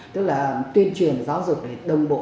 tức là tuyên truyền giáo dục để đồng bộ